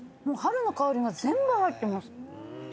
もう春の香りが全部入ってます。